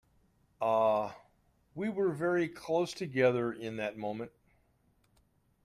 Ah, we were very close together in that moment.